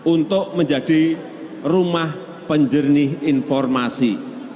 untuk menjadi rumah penjernih informasi